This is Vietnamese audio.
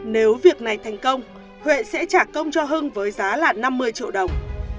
nếu việc này thành công huệ sẽ trả công cho hưng với giá là năm mươi triệu đồng